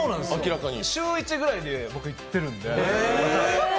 週１ぐらいで僕、行ってるんで。